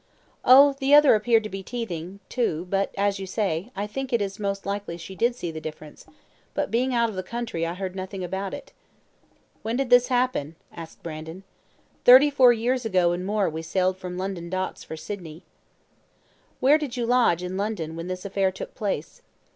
"Oh, the other appeared to be teething too; but, as you say, I think it is most like she did see the difference, but being out of the country I heard nothing about it." "When did this happen?" asked Brandon. "Thirty four years ago and more we sailed from London Docks for Sydney," said Mrs. Peck. "Where did you lodge in London when this affair took place?"